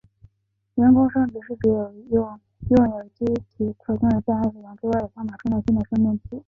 人工生殖是指用有机体可用的自然手段之外的方法创造新的生命体。